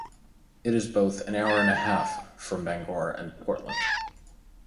It is both an hour and a half from Bangor and Portland.